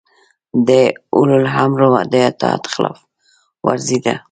د اولوامر د اطاعت خلاف ورزي ده